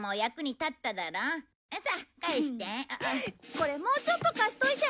これもうちょっと貸しといて！